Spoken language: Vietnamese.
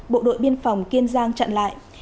bộ đội biên phòng kiên giang chặn lại